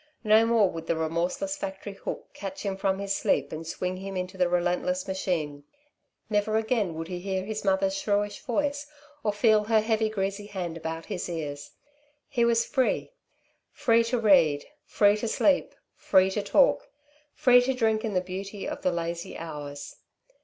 No more would the remorseless factory hook catch him from his sleep and swing him into the relentless machine. Never again, would he hear his mother's shrewish voice or feel her heavy, greasy hand about his ears. He was free free to read, free to sleep, free to talk, free to drink in the beauty of the lazy hours.